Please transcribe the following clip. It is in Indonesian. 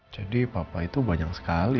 jadi papa itu banyak sekali